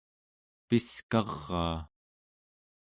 piskaraa